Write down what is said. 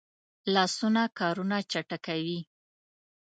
لاسونه کارونه چټکوي